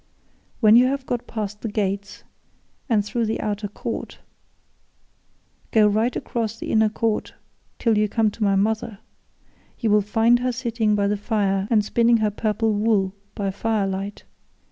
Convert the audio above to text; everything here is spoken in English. When you have got past the gates and through the outer court, go right across the inner court till you come to my mother. You will find her sitting by the fire and spinning her purple wool by firelight.